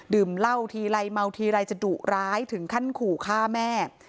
เหล้าทีไรเมาทีไรจะดุร้ายถึงขั้นขู่ฆ่าแม่